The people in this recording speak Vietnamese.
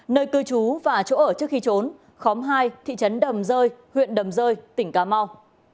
nơi cư trú và chỗ ở trước khi trốn khóm hai thị trấn đầm rơi huyện đầm rơi tỉnh cà mau